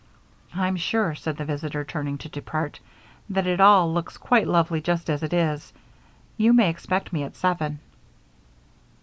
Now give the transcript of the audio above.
"I'm sure," said the visitor, turning to depart, "that it all looks quite lovely just as it is. You may expect me at seven."